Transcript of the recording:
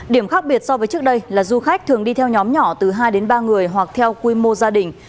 điểm khác biệt so với trước đây là du khách thường đi theo nhóm nhỏ từ hai đến ba người hoặc theo quy mô gia đình